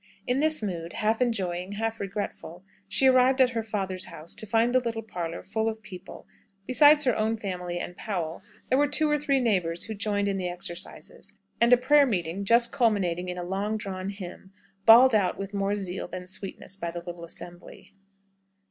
In this mood, half enjoying, half regretful, she arrived at her father's house to find the little parlour full of people besides her own family and Powell there were two or three neighbours who joined in the exercises and a prayer meeting just culminating in a long drawn hymn, bawled out with more zeal than sweetness by the little assembly.